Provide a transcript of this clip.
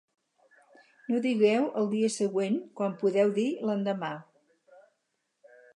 No digueu el dia següent, quan podeu dir l'endemà